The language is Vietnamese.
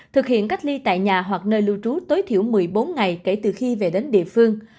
thực hiện cách ly tại nhà hoặc nơi lưu trú tối thiểu một mươi bốn ngày kể từ khi về đến địa phương